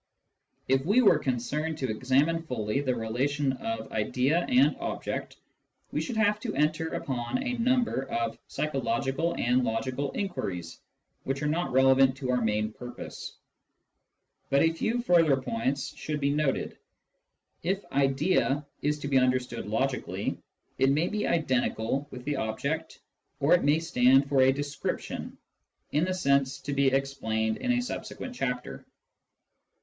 If we were concerned to examine fully the relation of idea and object, we should have to enter upon a number of psychological and logical inquiries, which are not relevant to our main purpose. But a few further points should be noted. If " idea " is to be understood logically, it may be identical with the object, or it may stand for a description (in the sense to be explained in a subsequent chapter).